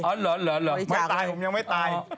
เหรอไม่ตายผมยังไม่ตาย